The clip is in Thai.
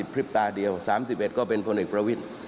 ๓๐พฤษฎาเดียว๓๐ไปก็เป็นพลเหกประวิษภ์